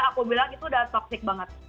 aku bilang itu udah toxic banget